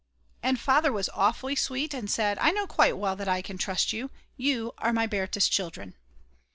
And Father was awfully sweet and said: "I know quite well that I can trust you; you are my Berta's children."